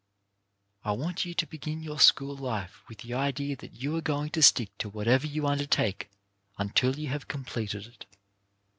I want you to begin your school life with the idea that you are going to stick to whatever you undertake until you have completed it.